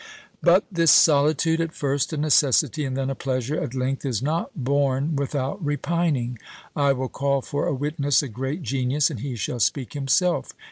But this solitude, at first a necessity, and then a pleasure, at length is not borne without repining. I will call for a witness a great genius, and he shall speak himself.